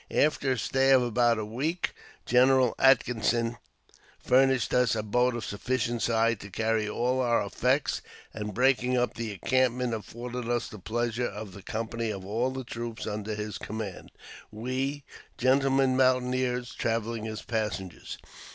After a stay of about a week. General Atkinson furnished us a boat of sufficient size to carry all our effects, and, breaking up the encampment, afforded us the pleasure of the company of all the troops under his command — we, gentlemen moun taineers, travelling as passengers.